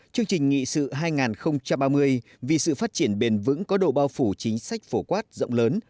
chương trình nghị sự hai nghìn ba mươi vì sự phát triển bền vững có độ bao phủ chính sách phổ quát rộng lớn